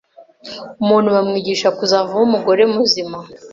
Umuntu bamwigisha kuzavamo umugore muzima